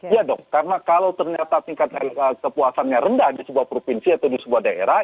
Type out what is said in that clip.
iya dong karena kalau ternyata tingkat kepuasannya rendah di sebuah provinsi atau di sebuah daerah